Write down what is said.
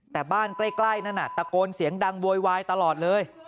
แต่บ้านใกล้นั่นน่ะตะโกนเสียงดังโวยวายตลอดเลย